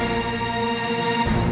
kau tidak bisa menemukan saya